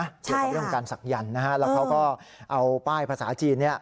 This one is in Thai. เขาเริ่มการสักหยั่นนะฮะแล้วเขาก็เอาป้ายภาษาจีน